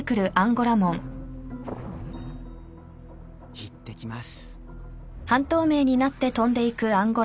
いってきます。